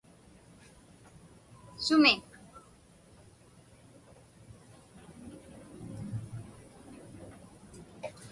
Sumi?